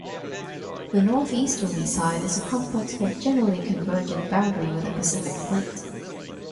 The northeasterly side is a complex but generally convergent boundary with the Pacific Plate.